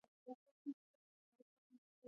افغانستان د هندوکش د ساتنې لپاره قوانین لري.